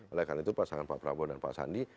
oleh karena itu pasangan pak prabowo dan pak sandi